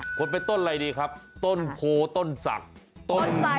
สมมุติเป็นต้นอะไรดีครับต้นโพต้นสักต้นใส